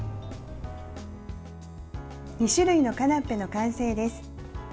２種類のカナッペの完成です。